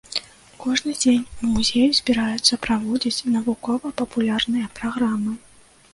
Кожны дзень у музеі збіраюцца праводзіць навукова-папулярныя праграмы.